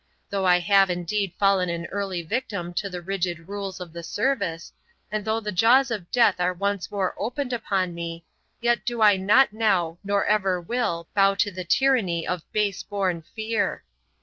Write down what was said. Though I have indeed fallen an early victim to the rigid rules of the service, and though the jaws of death are once more opened upon me, yet do I not now nor ever will bow to the tyranny of base born fear.